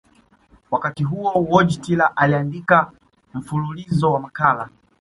Wakati huo Wojtyla aliandika mfululizo wa makala